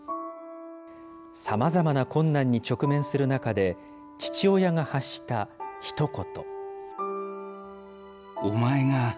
さまざまな困難に直面する中で、父親が発したひと言。